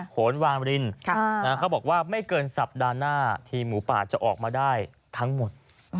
โหนวามรินเขาบอกว่าไม่เกินสัปดาห์หน้าทีมหมูป่าจะออกมาได้ทั้งหมด